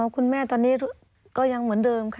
คุณแม่ตอนนี้ก็ยังเหมือนเดิมค่ะ